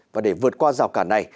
và để vượt qua rào cản này